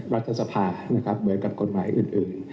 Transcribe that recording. รัฐสภานะครับเหมือนกับกฎหมายอื่น